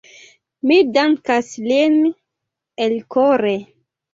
Mi dankas lin elkore.